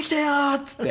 っつって。